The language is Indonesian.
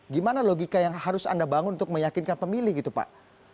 gimana logika yang harus anda bangun untuk meyakinkan pemilih gitu pak